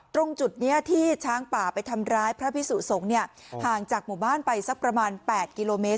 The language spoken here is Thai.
ตรงจุดนี้ที่ช้างป่าไปทำร้ายพระพิสุสงฆ์เนี่ยห่างจากหมู่บ้านไปสักประมาณ๘กิโลเมตร